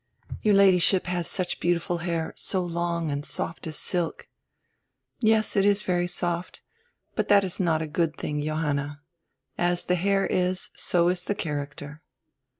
"Your Ladyship has such beautiful hair, so long, and soft as silk." "Yes, it is very soft But that is not a good tiling, Johanna. As the hair is, so is the character."